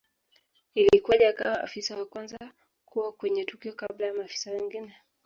Ilikuwaje akawa Afisa wa kwanza kuwa kwenye tukio kabla ya maafisa wengine